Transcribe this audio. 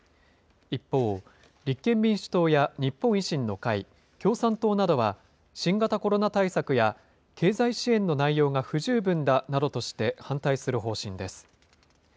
一方、立憲民主党や日本維新の会、共産党などは、新型コロナ対策や、経済支援の内容が不十分だなどとして、反対する方針です。